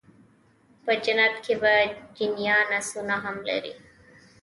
په جنت کي به جنيان آسونه هم لري